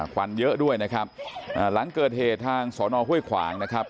ควันเยอะด้วยนะครับอ่าหลังเกิดเหตุทางสอนอห้วยขวางนะครับ